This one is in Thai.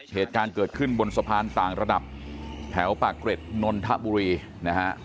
เหตุการณ์เกิดขึ้นบนสะพานต่างระดับแถวปากเกร็ดนนทบุรีนะฮะ